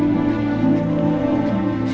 mbak catherine kita mau ke rumah